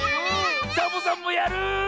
サボさんもやる！